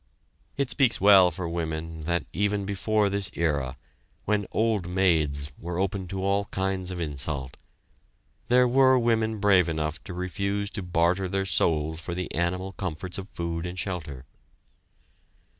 It speaks well for women that, even before this era, when "old maids" were open to all kinds of insult, there were women brave enough to refuse to barter their souls for the animal comforts of food and shelter.